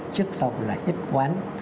trước sau là nhất quán